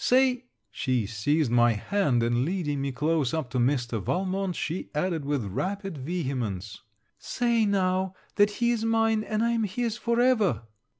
Say ' She seized my hand, and leading me close up to Mr. Valmont, she added, with rapid vehemence: 'Say now, that he is mine, and I am his for ever!'